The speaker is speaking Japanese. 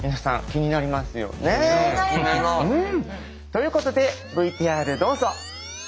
気になります！ということでＶＴＲどうぞ。